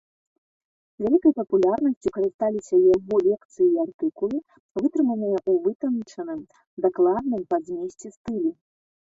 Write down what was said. Вялікай папулярнасцю карысталіся яго лекцыі і артыкулы, вытрыманыя ў вытанчаным, дакладным па змесце стылі.